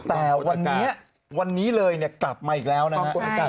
แต่วันนี้วันนี้เลยกลับมาอีกแล้วนะครับ